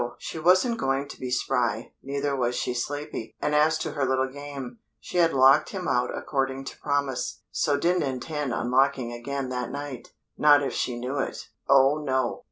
She wasn't going to be spry, neither was she sleepy; and as to her little game she had locked him out according to promise, so didn't intend unlocking again that night. Not if she knew it. Oh no!